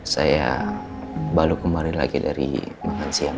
saya baru kemarin lagi dari makan siang